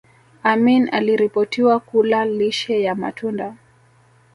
Amin aliripotiwa kula lishe ya matunda